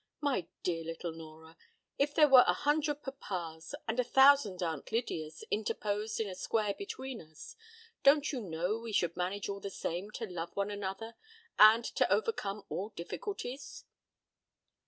My dear little Nora, if there were a hundred papas and a thousand Aunt Lydias interposed in a square between us, don't you know we should manage all the same to love one another and to overcome all difficulties?"